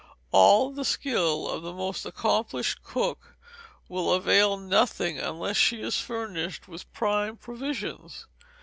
All the skill of the most accomplished cook will avail nothing unless she is furnished with prime provisions.